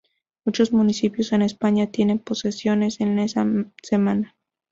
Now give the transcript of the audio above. Muchos municipios en España tienen procesiones en esa semana.